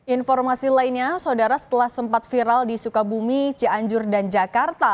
informasi lainnya saudara setelah sempat viral di sukabumi cianjur dan jakarta